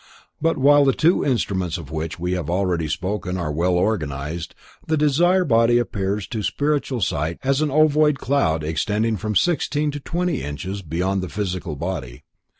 But while the two instruments of which we have already spoken, are well organized, the desire body appears to spiritual sight as an ovoid cloud extending from sixteen to twenty inches beyond the physical body.